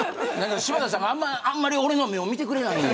柴田さんがあんまり俺の目を見てくれない。